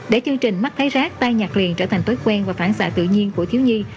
để chương trình mắc thấy rác tai nhạc truyền trở thành tối quen và phản xạ tự nhiên của thiếu nhi